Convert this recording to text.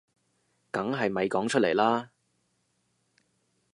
梗係咪講出嚟啦